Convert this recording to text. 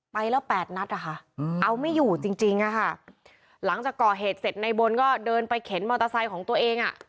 ไปแล้วแปดนัดอ่ะค่ะเอาไม่อยู่จริงจริงอะค่ะหลังจากก่อเหตุเสร็จในบนก็เดินไปเข็นมอเตอร์ไซค์ของตัวเองอ่ะ